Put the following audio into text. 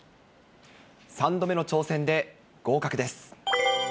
３度目の挑戦で合格です。